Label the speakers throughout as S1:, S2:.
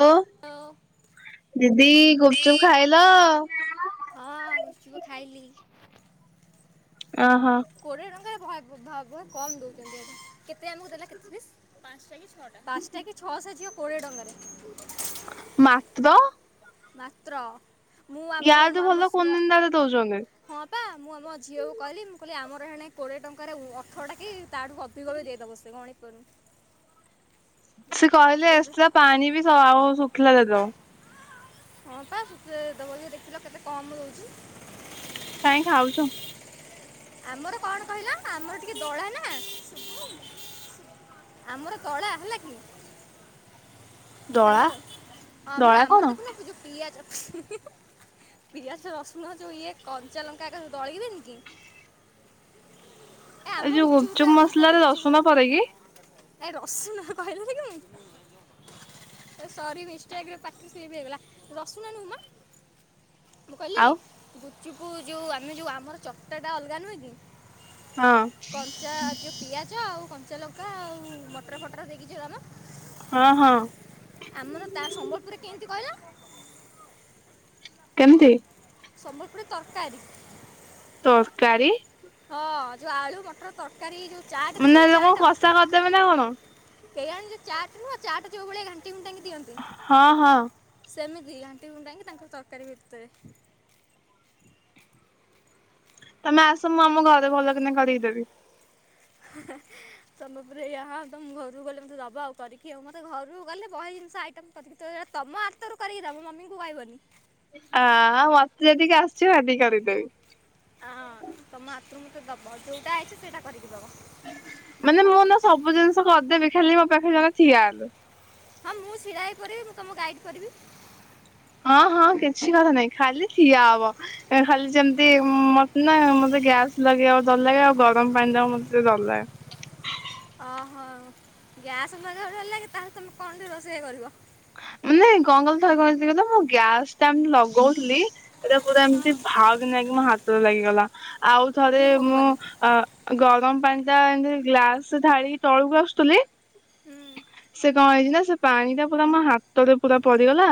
S1: ଓ
S2: ଆଉ
S1: ଦିଦି ଗୁପ୍ ଚୁପ୍ ଖାଇଲ?
S2: ହଁ ଗୁପ୍ ଚୁପ୍ ଖାଇଲି।
S1: ଅହ।
S2: କୋଡ଼ିଏ ଟଙ୍କାରେ ଭାଗ ବହୁ କମ୍ ଦେଉଛନ୍ତି କେତେ ଆମକୁ ଦେଲା କେତେ ପିସ୍? ପାଞ୍ଚଟା କି ଛଅଶହ ହେଇଥିବ କୋଡିଏ ଟଙ୍କା ରେ।
S1: ମାତ୍ର।
S2: ମାତ୍ର ମୁଁ ଆ ମୁ ଆମ ଶୁ
S1: ଆଡେ ଦଉଚନ୍ତି।
S2: ହଁ ପା ମୁଁ ଆମ ଝିଅକୁ କହିଲି ମୁଁ କହିଲି ଆମର ହେଣେ କୋଡ଼ିଏ ଟଙ୍କାରେ ଅଥଟା କି ତାଠୁ ଅଧିକ ବି ଦେଇଦେବ ସେ। [inaudible]
S1: ସେ କହିଲେ
S2: ଏଇଟା
S1: ଏକ୍ସଟ୍ରା ପାଣି ବି ଆଉ ଶୁଖିଲା ଦେଇଦବ।
S2: ହଁ ପା ସୁ ଦେଖଥିଲ କେତେ କମ ରହୁଛି।
S1: କାଇଁ ଖାଉଚୁ?
S2: ଆମର କଣ କହିଲ ଆମର ଟିକେ ଦୋଳା ନା [inaudible] ଆମର ଦଳା ହେଲା କି।
S1: ଦଳା
S2: ହ୍ୟାଲୋ ଆଁମ
S1: ଦଳା କଣ
S2: ଆମର ଦେଖୁନ ପୂ ଯୋ ପିଆଜ ପିଆଜ ରସୁଣ ଯୋଉ ଇଏ କଞ୍ଚା ଲଙ୍କା ଏକ ଥରେ ଦଳିକି ଦେଇନିକି ଏ
S1: ଏଇ
S2: ଆମ
S1: ଯୋଉ
S2: ଗୁପ୍ ଚୁପ୍ ଟା
S1: ଗୁପଚୁପ୍
S2: ଯଉ ତ
S1: ମସଲାରେ
S2: ଗୁପ୍ ଚୁପ୍
S1: ରସୁଣ ପଡେକି?
S2: ଆଏ ରସୁଣ କହିଲନି କପାଇଁ ସରି ମସଷ୍ଟେକ୍ ରେ ପାଟି ରୁ ସ୍ଲିପ୍ ହେଇଗଲା ରସୁଣ ନୁହଁ ମ ମୁଁ କହିଲି
S1: ଆଉ
S2: ଗୁପ୍ ଚୁପୁ ଯଉ ଆମେ ଯୋଉ ଆମର ଚଟାଟା ଅଲଗା ନୁହେଁ କି
S1: ହଁ
S2: କଞ୍ଚା ଯଉ ପିଆ ଚ ଆଉ କଞ୍ଚା ଲଙ୍କା ଆଉ ମଟର ଫଟର ଦେଇକି ଯୋ ନା
S1: ହଁ ହଁ।
S2: ଆମର ତା ସମ୍ବଲପୁରରେ କେନ୍ତି କହିଲ?
S1: କେମତି?
S2: ସମ୍ବଲପୁରୀ ତରକାରୀ
S1: ତରକାରୀ!
S2: ହଁ ଯୋଉ ଆଳୁ ମଟର ତରକାରୀ ଯୋଉ ଚାଟ
S1: ମାନେ
S2: ଦେଖୁନ
S1: ହେଲେ କଣ
S2: ଚାଟ
S1: କଷା କରିଦେବେ ନା କଣ?
S2: [inaudible] ଯୋ ଚାଟ୍ ନୁହଁ ଚାଟ୍ ଯୋଉଭଳିଆ ଘାଣ୍ଟି ଫୁଣ୍ଟାଙ୍ଗି ଦିଅନ୍ତି।
S1: ହଁ ହଁ
S2: ସେମିତି ଘାଣ୍ଟି ଘୁଣ୍ଟାଙ୍କି ତାଙ୍କର ତରକାରୀ ଭେଟି ଦେବେ।
S1: ତମେ ଆସ ମୁଁ ଆମ ଘରେ ଭଲକିନା କରିକି ଦେବି।
S2: ହେଁ ହେଁ। ତମେ ପୁରା ୟାହାଉ ତମ ଘରୁକୁ ଗଲେ ମତେ ଦବ ଆଉ କରିକି ଆଉ ମତେ ଘରୁକୁ ଗଲେ ବହେ ଜିନିଷ ଆଇଟମ୍ [inaudible] ତମ ଆତରୁ କରିକି ଦବ ମମିଙ୍କୁ କହବନି।
S1: ଆ ମତେ ଯେତିକି ଆସିଚି ମୁଁ ହେତିକି କରିକି ଦେବି।
S2: ଅଁ ତମ ହାତରୁ ମତେଦବ, ଯୋଉଟା ଅଇଚି ସେଇଟା କରିକି ଦବ।
S1: ମାନେ ମୁଁ ନା ସବୁ ଜିନିଷ କରିଦେବି ଖାଲି ମୋ ପାଖେ ଜଣେ ଠିଆ ହେଲେ।
S2: ହଁ ମୁଁ ଛିଡା ହେଇ ପରିବି ମୁଁ ତମୁ ଗାଇଡ୍ କରିବି।
S1: ହଁ ହଁ କିଛି କଥା ନାଇଁ ଖାଲି ଠିଆ ହବ। ଏଁ ଖାଲି ଯେମିତି ମତେ ନା ମତେ ଗ୍ୟାସ୍ ଲଗେଇବାକୁ ଦର ଲାଗେ ଆଉ ଗରମ ପାଣିଟାକୁ ମତେ ଟିକେ ଦର ଲାଗେ।
S2: ଅହ ଗ୍ୟାସ୍ ଲଗେଇଆକୁ ଡର ଲାଗେ ତାହେଲେ ତୁମେ କଣ ଟେ ରୋଷେଇ କରିବ?
S1: ମାନେ କଁ କହିଲ ଥରେ କଁ ହେଇଚି ଦେଖି କହିଲ ମୁଁ ଗ୍ୟାସଟା ଏମତି ଲଗଉଥିଲି ଏଟା ପୁରା ଏମିତି
S2: ହଁ
S1: ଭାଉ କି ନାଗିକି ମୋ ହାତରେ ଲାଗିଗଲା ଆଉ ଥରେ
S2: ଇ
S1: ମୁଁ
S2: ଭଗବାନ
S1: ଆ ଗରମ ପାଣିଟା ଏମତି ଗ୍ଲାସ ରେ ଢାଳିିକି ତଳୁକୁ ଆସୁଥିଲି
S2: ହୁଁ
S1: ସେ କଣ ହେଇଚି ନା ସେ ପାଣିଟା ପୁରା ମୋ ହା ତରେ ପୁରା ପଡିଗଲା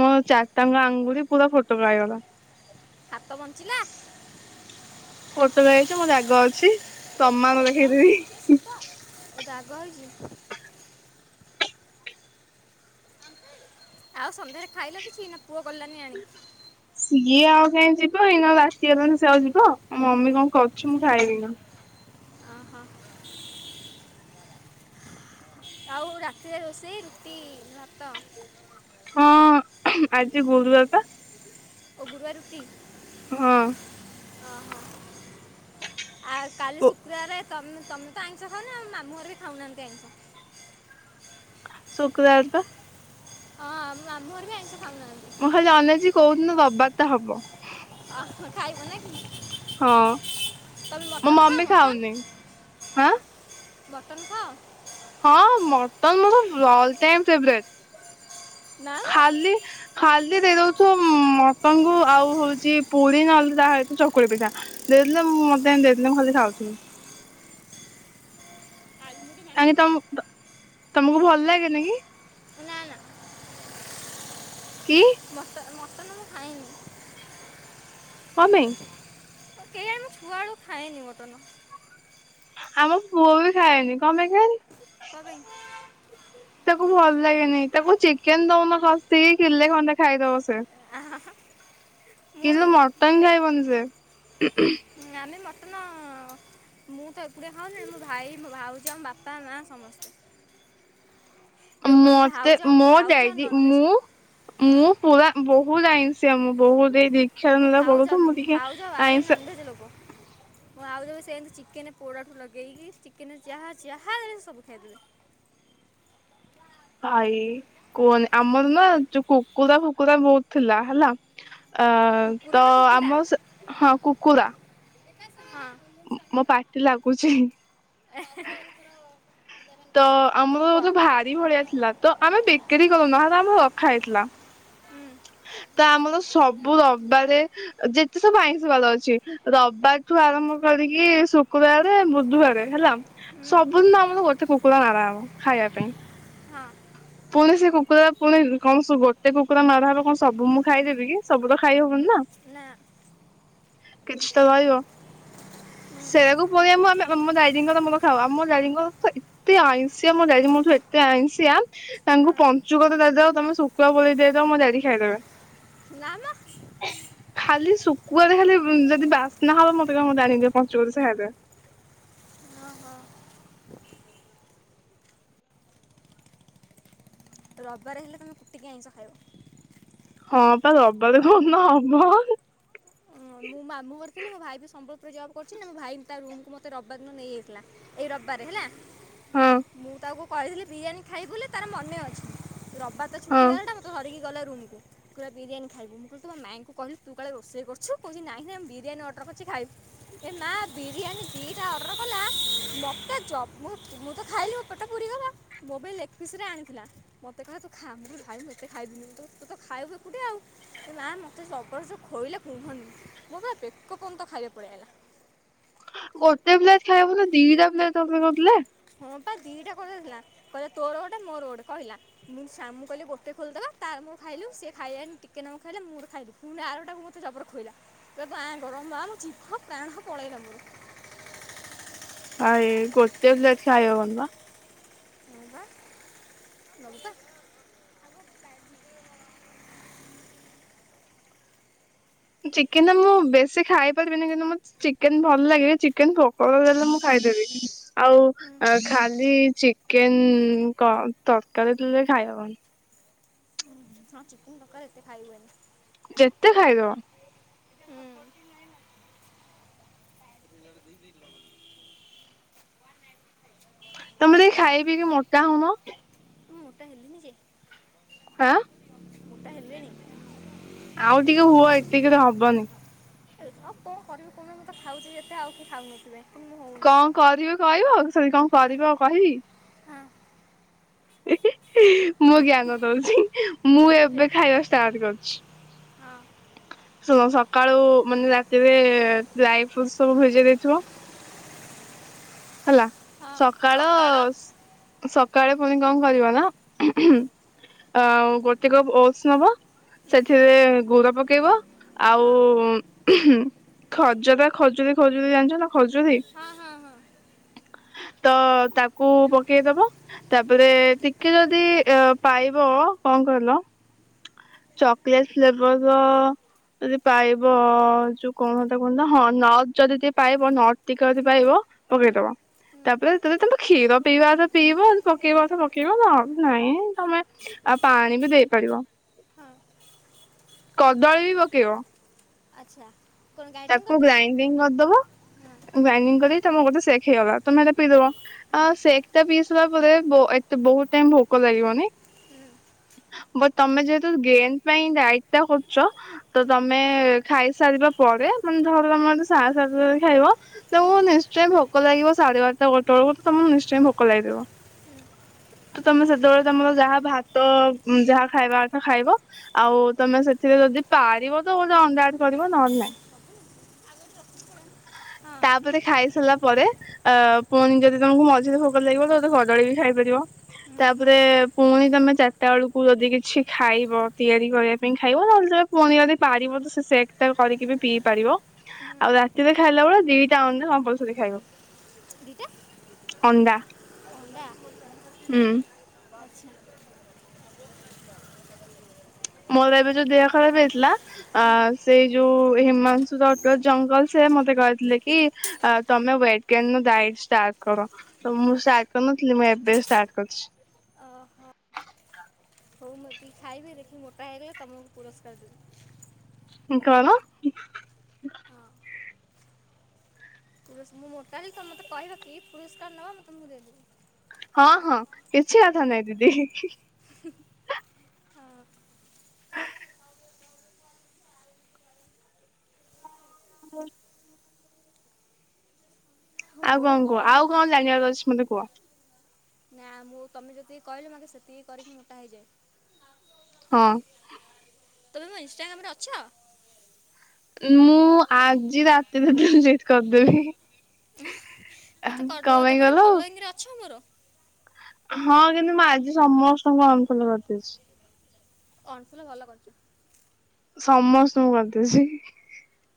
S1: ମୋ ଚାରିଟାଙ୍କ ଆଙ୍ଗୁୁଳି ପୁରା ଫୋଟକା ଖଇଗଲା।
S2: ହାତ ବଞ୍ଚିଲା?
S1: ଫୋଟୋକା ହେଇଚି ମୋର ଦାଗ ଅଛି ପ୍ରମାଣ ଦେଖେଇଦେବି।
S2: ଓ ଦାଗ ହେଇଚି। ଆଉ ସନ୍ଧ୍ୟାରେ ଖାଇଲ କିଛି ନା ପୁଅ ଗଲାନି ଆଣି।
S1: ସିଏ ଆଉ କାହିଁ ଯିବ ଏଇନା ରାତିି ହେଲାଣି ସିଏ ଆଉ ଯିବ ଆ ମମି କଣ କରୁଚି ମୁଁ ଖାଇଲିି ନା।
S2: ଅଁ ହ। ଆଉ ରାତିରେ ରୋଷେଇ ରୁଟି ଭାତ।
S1: ହଁ ଆଜି ଗୁରୁବାରରେ ପା।
S2: ଓ ଗୁରୁଆର୍ ରୁଟି।
S1: ହଁ।
S2: ଅ ହ ଆ କାଲି
S1: ଶୁ
S2: ଶୁକ୍ରାଆରେ ତମେ ତମେ ତ ଆଇଁଷ ଖାଉନ ମାମୁଁ ଘର ବି ଖାଉନାହାନ୍ତି ଆଇଁଷ।
S1: ଶୁକ୍ରଆର ପା।
S2: ହଁ ଆମ ମାମୁଁ ଘର ବି ଆଇଁଷ ଖାଉନାହାନ୍ତି।
S1: ମୁଁ ଖାଲି ଅନେଇଚି କୋଉଦିନ ରବାର ଟା ହବ।
S2: ଅହ ଖାଇବ ନାକି।
S1: ହଁ
S2: ତମେ
S1: ମୋ
S2: ମଟନ୍ ଖାଅ
S1: ମମି
S2: ମଟନ୍?
S1: ଖାଉନି ହାଁ
S2: ମଟନ୍ ଖାଅ?
S1: ହଁ ମଟନ୍ ମୋର ଅଲ ଟାଇମ୍ ଫେଭରେଟ୍।
S2: [inaudible]
S1: ଖାଲି ଖାଲି ଟିକେ ଦେଇଦବୁ ତୁ ମଟନ୍ କୁ ଆଉ ହଉଚି ପୁରୀ ନହେଲେ ତା ସତ ଚକୁଳି ପିଠା ଦେଇଲେ ମୁଁ ମତେ ଦେଇି ମୁଁ ଖାଲି ଖାଉଥିଲି।
S2: ମ।
S1: ଆ ତମ ତମକୁ ଭଲ ଲାଗେନି କି?
S2: ନା ନା
S1: କି
S2: ମଶ ମସଲା ମୁଁ ଖାଇନି।
S1: ହଁ ଭାଇ।
S2: କେ ମୁଁ ପୁଅ ଆଉ ଖାଏନି ମଟନ।
S1: ଆମ ପୁଅ ବି ଖାଏନି, କଣ ପାଇଁ ଖାଏନି?
S2: କଣ ପାଇଁ?
S1: ତାକୁ ଭଲ ଲାଗେନି ତାକୁ ଚିକେନ ଦଉନ ଖସି କିଲେ ଖଣ୍ଡେ ଖାଇଦବ ସେ।
S2: [unintelligible]
S1: କିନ୍ତୁ
S2: ବି
S1: ମଟନ ଖାଇବନି ସେ।
S2: ଯାହାହେନେ ମଟନ ମୁଁ ତ ଏକୁଡେ ଖାଉନି ମୋ ଭାଇ, ଭାଉଜ, ବାପା, ମା ସମସ୍ତେ। ଏ ବାପା ମୋ
S1: ମତେ
S2: ଭାଉଜ ଆମ
S1: ମଁ
S2: ଭାଉଜ
S1: ଯାଇଛି
S2: ନନଭେଜ
S1: ମୁଁ ମୁଁ ପୁରା ବହୁତ ଆଇନସି ଆମ ବହୁତ ଏଇ ଦୀକ୍ଷା
S2: ମୁଁ
S1: ନେଲା
S2: ଭାଉଜ
S1: ପରଠୁ
S2: ବି
S1: ମୁଁ ଟିକେ
S2: ଭାଉଜ ଭାରି
S1: ଆଇଁଷ
S2: ନନଭେଜ ଲୋକ। ମୁଁ ଆଉ ଦେବେ ସେ ଏମିତି ଚିକେନ ପୋଡ଼ାଠୁ ଲଗେଇକି ଚିକେନ ଯାହା ଯାହା ସବୁ ଖାଇଦେବେ।
S1: ଭାଇ କୁହନି ଆମର ନା ଯୋଉ କୁକୁରା ଫୁକୁରା ବହୁତ ଥିଲା ହେଲା। ଅ
S2: କୁକୁର
S1: ତ
S2: ନା କୁକୁଡ଼ା
S1: ଆମ ହଁ କୁକୁରା
S2: ହଁ
S1: ମୋ ପାଟି ଲାଗୁଛି।
S2: [unintelligible]
S1: ତ
S2: ମୁଁ କୁହ
S1: ଆମର ଭାରି ଭଳିଆ ଥିଲା ତ ଆମେ ବିକ୍ରି କରୁନୁ ଆମେ ଆମର ରଖା ହେଇଥିଲା।
S2: ହୁଁ,
S1: ତ ଆମର ସବୁ ରବାରେ ଯେତେ ସବୁ ଆଇଁଷି ବାଲ ଅଛି ରବିବାରଠୁ ଆରମ୍ଭ କରିକି ଶୁକ୍ରବାର ବୁଧବାର ହେଲା
S2: ହୁଁ,
S1: ସବୁଦିନ ଆମର ଗୋଟେ କୁକୁର ନାରାମ ଖାଇବା ପାଇଁ।
S2: ହଁ
S1: ପୁଣି ସେ କୁକୁା ପୁଣି କଣୁ ଗୋଟେ କୁକୁଡ଼ା ନଡ ହେବ କଣ ସବୁ ମୁଁ ଖାଇଦେବି କି ସବୁ ତ ଖାଇ ହବନି ନା
S2: ନା
S1: କିଛି ତ କହିବ। ସେଇଆକୁ ପଳିଆ ମୋ ଆମେ ମୋ ଡାଡିଙ୍କର ମୋର ଖାଉ। [unintelligible] ଏତେ ଆଇଁଷିଆ ମୋ ଡାଡି ମୋଠୁ ଏତେ ଆଇଁସିଆ ତାଙ୍କୁ
S2: ହଁ।
S1: ପଞ୍ଚୁକତ ଦଦଅ ତମେ ଶୁଖୁଆ ବୋଲେଇ ଦେଇଦଅ ମୋ ଡାଡ଼ି ଖାଇଦେବେ।
S2: ନାମ
S1: ଖାଲି ଶୁଖଆରେ ଖାଲି ଯଦି ବାସ୍ନା ହବ [unintelligible] ପଞ୍ଚୁକରେ ସେ ଖଇଦେବେ।
S2: ହଁ ହଁ ତ ରବିବାର ହେଲେ ତୁମେ କୁଟିକି ଆଇଁଷ ଖାଇବ।
S1: ହଁ ବା ଦବାଲେ କନ ହବ।
S2: ମୁଁ ମାମୁଁଘରେ ଥିଲି, ମୋ ଭାଇବି ସମ୍ବଲପୁରରେ ଜବ୍ କରୁଛି ନା ମୋ ଭାଇ ତା ରୁମକୁ ମତେ ରବିବାର ଦିନ ନେଇଯାଇଥିଲା। ଏଇ ରବିବାର ହେଲା
S1: ହଁ
S2: ମୁଁ ତାକୁ କହିଥିଲି ବିରିୟାନୀ ଖାଇବୁ ବୋଲି ତାର ମନେ ଅଛି। ରବିବାର ତ ଛୁଟି
S1: ହଁ।
S2: ବାଲାଟା ମତେ ଧରିକି ଗଲେ ରୁମକୁ ଶୁଖୁଆ ବିରିୟାନୀ ଖାଇବୁ ମୁଁ କହିଲି ତମ ମାଇଁକୁ କହିବି ତୁ କାଳେ ରୋଷେଇ କରିଛୁ କୋହୁଛି ନାଇଁ ନାଇଁ ବିରିୟାନୀ ଅର୍ଡର କରିଛି ଖାଇବୁ। ଏ ମା ବିରିୟାନୀ ଦିଟା ଅର୍ଡର କଲା ମତେ ଜ ମୁ ମୁ ତ ଖାଇନି କଟ ପୁରୀଗଲା ମୋ ବି ଲେଗ୍ ପିସ ରେ ଆଣିଥିଲା। ମତେ କହେ ତୁ ଖା ଭାଇ ମତେ ଖାଇଦିନି ତୁ ତ ଖାଇ ହୁ କୋଠେ ଆଉ। ନା ମତେ ସବର୍ଷ ଖୋଇଲେ କୁହନ୍ତି, ମୋର ପୁରା ବେକ ପର୍ଯ୍ୟନ୍ତ ଖାଇବା ପଳେଇ ଆସଲା।
S1: ଗୋଟେ ପ୍ଲେଟ୍ ଖାଇବ ନା ଦିଟା ପ୍ଲେଟ୍ ଖାଇବନା ଦିଟା ପ୍ଲେଟ୍ ଅଡର୍ କରିଦେଲେ।
S2: ହଁ ପା ଦିଟା କରିଦେଇଥିଲା କହିଲା ତୋର ଗୋଟେ ମୋର ଗୋଟେ କହିଲା। ମୁଁ ସା ମୁଁ କହିଲି ଗୋଟେ ଖୋଲିଦବା ତାର ମୁଁ ଖାଇଲୁ ସେ ଖାଇଲାନି ଟିକେ ନାକୁ ଖାଇଲା, ମୁଁ ମୋର ଖାଇଲୁ। ନାଳୁଟାକୁ ମୋତେ ଜବର ଖୋଇଲା, କହିଲା ତୁ ଆଁ ମା ଜିଭ ପ୍ରାଣ ପଳେଇଲା ମୋର।
S1: ଆଏ ଗୋଟେ ପ୍ଲେଟ୍ ଖାଇ ହବ ନା?
S2: [unintelligible]
S1: ଚିକେନ୍ ନା ମୁଁ ବେଶୀ ଖାଇ ପାରିବିନି କିନ୍ତୁ ଚିକେନ୍ ଭଲ ଲାଗେ, ଚିକେନ ପୋକଳ ଦେଲେ ମୁଁ ଖାଇଦେବି। ଆଉ
S2: ହୁଁ
S1: ଖାଲି ଚିକେନ୍ ତ- ତରକାରୀ ଦେଲେ ଖାଇହବନି।
S2: ଚିକେନ୍ ତକାରୀ ଏତେ ଖାଇହୁଏନି।
S1: ଯେତେ ଖାଇବ।
S2: ହୁଁ। [unintelligible]
S1: ତମେ ଦେଇ ଖାଇ ପିଇକି ମୋଟା ହୋଉନ।
S2: ମୁଁ ମୋଟା ହେଲିନି ଯେ।
S1: ହାଁ
S2: ମୋଟା ହେଲିଣି।
S1: ଆଉ ଟିକେ ହୁଅ ଏତିକି ତ ହବନି।
S2: ଆଉ କଣ କରିବି କୁହନି, ମୁଁ ତ ଖାଉଛଚି ଯେତେ ଆଉ କିଏ ଖାଉନଥିବେ। କିନ୍ତୁ ମୁଁ ହଉନି
S1: କଣ କରିବି କହିବ ସରି କଣ
S2: ହଁ
S1: କରିବ କହିବି। ହି -ହି ମୁଁ ଜ୍ଞାନ ଦୋଉଛି, ମୁଁ
S2: ହଁ ହଁ ଦିଅ
S1: ଏବେ ଖାଇବା ଷ୍ଟାର୍ଟ କରୁଛି।
S2: ହଁ।
S1: ଶୁଣ ସକାଳୁ ମାନେ ରାତିରେ ଡ୍ରାଇ ଫ୍ରୁଟସ୍ ସବୁ ଭିଜେଇ ଦେଇଥିବ। ହେଲା, ସକାଳ ସକାଳେ ପୁଣି କଣ କରିବ ନା [unintelligible] ଆଉ ଗୋଟେ କପ୍ ଓସ୍ ନବ।
S2: ହୁଁ,
S1: ସେଥିରେ ଗୁଡ଼ ପକେଇବ ଆଉ
S2: ହଁ
S1: [unintelligible] ଖଜୁରା ଖଜୁରୀ, ଖଜୁରୀ ଫଜୁରୀ ଜାଣିଛ ନା ଖଜୁରୀ?
S2: ହଁ- ହଁ -ହଁ।
S1: ତ ତାକୁ ପକେଇଦବ।
S2: ହୁଁ,
S1: ତାପରେ ଟିକେ ଯଦି ପାଇବ କଁ କହିଲ? ଚକେଲେଟ୍ ଫ୍ଲେବର୍ ର ଯଦି ପାଇବ ଯୋଉ କଣ ହେଇଟା କହନ୍ତି ତ, ହଁ ନର୍ଥ ଯଦି ଟିକେ ପାଇବ ନର୍ଥ ଟିକେ ଯଦି ପାଇବ।
S2: ହୁଁ,
S1: ପକେଇଦବ।
S2: ହୁଁ
S1: ତାପରେ ତ ତମେ କ୍ଷୀର ପେଇବା କଥା ପିଇବ ପକେଇବା କଥା ପକେଇବ ନହେଲେ ନାଇଁ ତମେ ଆଉ ପାଣି ବି ଦେଇପାରିବ,
S2: ହଁ
S1: କଦଳୀ ବି ପକେଇବ।
S2: ଆଚ୍ଛା। କ'ଣ ଗାଇଡ୍ରିଂ
S1: ତାକୁ
S2: କରିଦେବି
S1: ଗ୍ରାଇଣ୍ଡିଙ୍ଗ୍ କରିଦବ,
S2: ହଁ
S1: ଗ୍ରାଇଡିଙ୍ଗ୍ କରି ତମ ଗୋଟେ ସେକ୍ ହେଇଗଲା, ତମେ ହେଟା ପିଇଦବ। ଆ
S2: ହଁ
S1: ସେକ୍ ଟା ପିସାଇଲା ପରେ ଏତେ ବୋହୁତ୍ ଟାଇମ୍ ଭୋକ ଲାଗିବନି।
S2: ହୁଁ
S1: ବତ୍ ତମେ ଯେହେତୁ ଗେନ୍ ପାଇଁ ଡାଇଟ୍ ଟା କରୁଚ। ତ
S2: ହୁଁ
S1: ତମେ
S2: କେକ୍ ଖାଇବି
S1: ଖାଇସାରିବା ପରେ ମାନେ ଧର ତମେ ସାହାସ୍ ଆସିବ ଯଦି ଖାଇବ। ତମକୁ ନିଶ୍ଚୟ ଭୋକ ଲାଗିବ ସାଢେ ବାରଟା ଗୋଟେ ବେଳକୁ ତମକୁ ନିଶ୍ଚୟ ଭୋକ ଲାଗିଥିବ। ତ ତମେ ସେତେବେଳେ ତମର ଯାହା ଭାତ ଯାହା ଖାଇବା କଥା ଖାଇବ। ଆଉ ତମେ ସେଥିରେ ଯଦି ପାରିବ ତ ଗୋଟେ ଅଣ୍ଡା ଆଡ୍ କରିବ ନହେଲେ ନାହିଁ।
S2: [inaudible] ହଁ
S1: ତାପରେ ଖାଇ ସାରିଲା ପରେ ଅ ପୁଣି ଯଦି ତମକୁ ମଝିରେ ଭୋଗ ଲାଗିବ ତାହେଲେ କଦଳୀ ବି ଖାଇପାରିବ।
S2: ହୁଁ
S1: ତାପରେ ପୁଣି ତମେ ଚାରିଟା ବେଳକୁ ଯଦି କିଛି ଖାଇବ ତିଆରି କରିବା ପାଇଁ ଖାଇବ ନହେଲେ ତ ପୁଣି ଯଦି ପାରିବ ତ ସେ ସେକ୍ ଟା କରିକି ବି ପିଇ ପାରିବ
S2: ହୁଁ
S1: ଆଉ ରାତିରେ ଖାଇଲା ବେଳେ ଦି ଟା ଅଣ୍ଡା କମ୍ପଲସରି ଖାଇବ।
S2: [inaudible]
S1: ଅଣ୍ଡା
S2: ଅଣ୍ଡା!
S1: ହୁଁ
S2: ଆଛା।
S1: ମୋର ଏବେ ଯୋଉ ଦେହ ଖରାପ ହେଇଥିଲା ଆ ସେଇ ଯୋଉ ହିମାଂଶୁ ଡକ୍ଟର ଜଙ୍ଗଲ ସେ ମତେ କହିଥିଲେ କି ଆ ତମେ ୱେଟଗେନର ଡାଇଟ ଷ୍ଟାର୍ଟ କର। ତ ମୁଁ ଷ୍ଟାର୍ଟ କରିନଥିଲି ମୁଁ ଏବେ ଷ୍ଟାର୍ଟ କରିଛି।
S2: ଅ ହ ହଉ ମୁଁ ଏତିକି ଖାଇବି ଦେଖିକି ମୋଟା ହେଇଗଲେ ତମକୁ ପୁରସ୍କାର ଦେବି।
S1: ହୁଁ କଣ?
S2: ହଁ ମୁଁ ମୋଟା ହେଇକି ତମେ ମତେ କହିବ କି ପୁରସ୍କାର ନବ ମୁଁ ତମକୁ ଦେବି।
S1: ହଁ ହଁ କିଛି କଥା ନାହିଁ ଦିଦି।
S2: ହଁ
S1: ହଁ। ଆଉ
S2: ଓହୋ
S1: କଣ କୁହ
S2: ଗରମ
S1: ଆଉ କଣ ଜାଣିବାର ଅଛି ମତେ କୁହ?
S2: ନା ମୁଁ ତମେ ଯେତିକି କହିଲ ମୁ ଆଗେ ସେତିକି କରିକି ମୋଟା ହେଇଯାଏ।
S1: ହଁ।
S2: ତମେ ମୋ ଇନ୍ଷ୍ଟାଗ୍ରାମରେ ଅଛ?
S1: ମୁଁ ଆଜି ରାତିରେ ଦିନ ଡିଲେଟ୍ କରିଦେବି।
S2: ମତେ
S1: କଣ
S2: କରିଦବ ତ
S1: ପାଇଁ
S2: ମାନେ
S1: କହିଲ
S2: ଫଲୋଇଙ୍ଗ୍ ଅଛ ମୋର?
S1: ହଁ କିନ୍ତୁ ମୁଁ ଆଜି ସମସ୍ତଙ୍କୁ ଅନଫଲୋ କରିଦେଇଛି।
S2: ଅନଫଲୋ ଭଲ କରିଛ।
S1: ସମସ୍ତଙ୍କୁ କରିଦେଇଛି।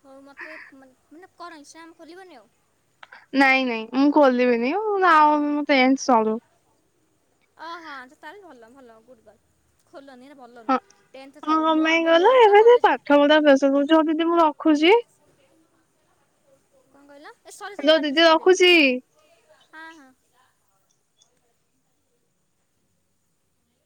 S2: ହଉ ମତେ ମାନେ ମାନେ କଣ ଇନଷ୍ଟାଗ୍ରାମ ଖୋଲିବନି ଆଉ?
S1: ନାଇଁ ନାଇଁ ମୁଁ ଖୋଲିବିନି ଆଉ ମୋ ଆଉ ମୋ ଟେନ୍ ସରୁ।
S2: ଓ ହଁ ତାହେଲେ ଭଲ ଭଲ ଗୁଡଗାର୍ଲ୍। ଖୋଲନି ଏରା ଭଲ
S1: ହଁ
S2: ନୁହ ଟେନ୍ଥ
S1: ହଁ
S2: ସରୁ ମୋ ମୋ ଭଉଣୀ ତ କଲେଜ।
S1: ହୋଉ ଯୋଉ ଦିଦି ମୁଁ ରଖୁଛି?
S2: କଣ କହିଲ ଏ ସରି ସରି
S1: ହ୍ୟାଲୋ
S2: ପାଟିରୁ
S1: ଦିଦି
S2: ସ୍ଲିପ
S1: ରଖୁଛି।
S2: ହେଇଗଲା। ହଁ ହଁ